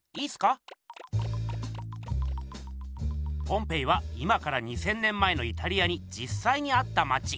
ポンペイは今から２，０００年前のイタリアにじっさいにあったまち。